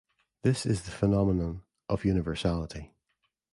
This is the phenomenon of universality.